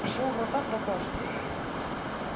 ¡Pasou rozando o poste!